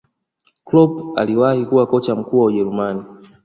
Kloop aliwahi kuwa kocha mkuu wa ujerumani